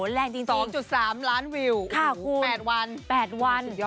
๒๓ล้านวิว๘กว่าวัน